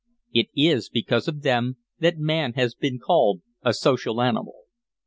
It is because of them that man has been called a social animal.